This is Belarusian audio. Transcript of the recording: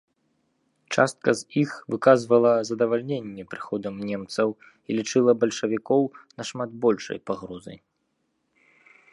Частка з іх выказвала задавальненне прыходам немцаў і лічыла бальшавікоў нашмат большай пагрозай.